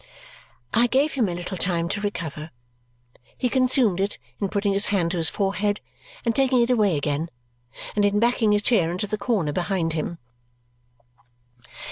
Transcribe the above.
I gave him a little time to recover. He consumed it in putting his hand to his forehead and taking it away again, and in backing his chair into the corner behind him.